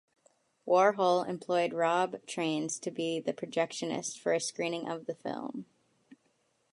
Warhol employed Rob Trains to be the projectionist for a screening of the film.